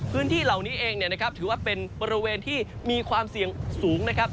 พื้นที่เหล่านี้เองเนี่ยนะครับถือว่าเป็นบริเวณที่มีความเสี่ยงสูงนะครับ